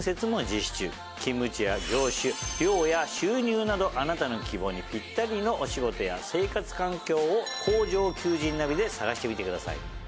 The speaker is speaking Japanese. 勤務地や業種寮や収入などあなたの希望にぴったりのお仕事や生活環境を「工場求人ナビ」で探してみてください。